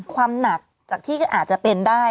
ความหนักจากที่อาจจะเป็นได้